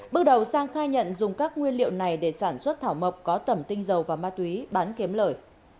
bước đầu sang khai nhận dùng các nguyên liệu này để sản xuất thảo mộc có tẩm tinh dầu và ma túy bán kiếm lời